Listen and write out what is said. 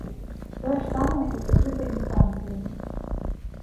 Тое ж самае і з закрытай інстанцыяй.